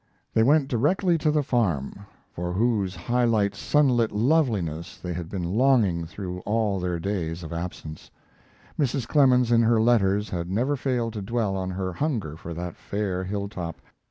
They went directly to the farm, for whose high sunlit loveliness they had been longing through all their days of absence. Mrs. Clemens, in her letters, had never failed to dwell on her hunger for that fair hilltop.